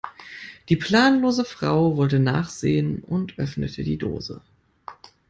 Die planlose Frau wollte nachsehen und öffnete die Dose.